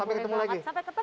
sampai ketemu lagi